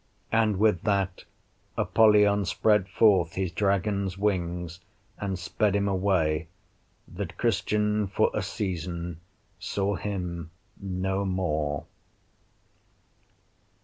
And with that Apollyon spread forth his dragon's wings, and sped him away, that Christian for a season saw him no more.